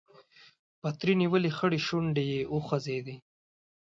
پتري نيولې خړې شونډې يې وخوځېدې.